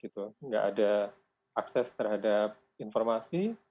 tidak ada akses terhadap informasi